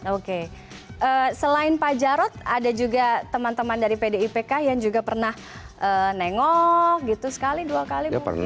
oke selain pak jarod ada juga teman teman dari pdipk yang juga pernah nengok gitu sekali dua kali mungkin